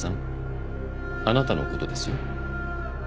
あなたのことですよ。